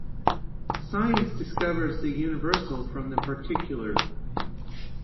Science discovers the universal from the particular.